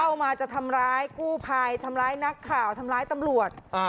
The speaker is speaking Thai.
เข้ามาจะทำร้ายกู้ภัยทำร้ายนักข่าวทำร้ายตำรวจ